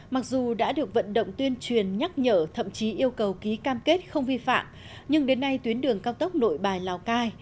mặc dù đã được vận động tuyên truyền nhắc nhở thậm chí yêu cầu ký cam kết không vi phạm nhưng đến nay tuyến đường cao tốc nội bài lào cai